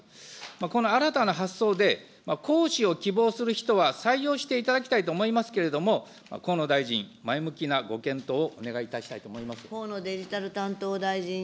この新たな発想で、講師を希望する人は、採用していただきたいと思いますけれども、河野大臣、前向きなご検討をお願いいたしたいと思います。